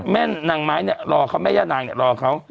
แม่นางไม้เนี่ยรอเขาแม่ย่านางเนี่ยรอเขา